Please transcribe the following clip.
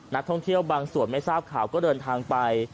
นักท่องเที่ยวบางส่วนไม่ทราบข่าวก็เดินทางไป